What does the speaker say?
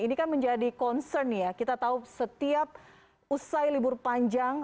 ini kan menjadi concern ya kita tahu setiap usai libur panjang